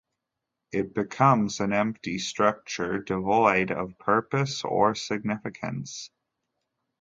It becomes an empty structure devoid of purpose or significance.